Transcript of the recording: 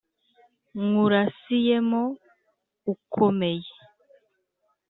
Nywurasiyemo ukomeye